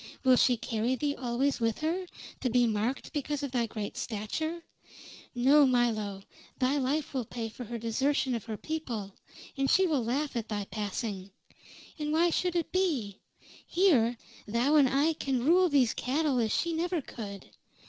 Will she carry thee always with her, to be marked because of thy great stature? No, Milo, thy life will pay for her desertion of her people, and she will laugh at thy passing. And why should it be? Here, thou and I can rule these cattle as she never could.